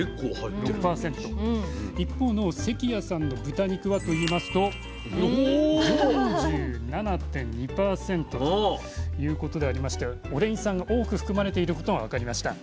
一方の関谷さんの豚肉はといいますと４７．２％ということでありましてオレイン酸が多く含まれていることが分かりました。